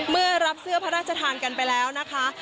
เมื่อรับเสื้อพระราชทานกันไปแล้วนะคะ